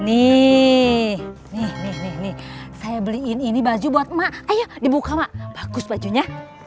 nih nih saya beliin ini baju buat emak ayo dibuka mak bagus bajunya